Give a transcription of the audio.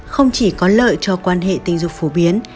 không chỉ có lợi cho quan hệ tình dục phổ biến